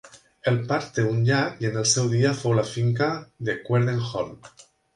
El parc té un llac i en el seu dia fou la finca de Cuerden Hall.